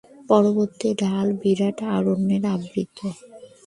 পর্বতের ঢাল বিরাট অরণ্যে আবৃত।